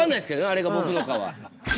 あれが僕のかは。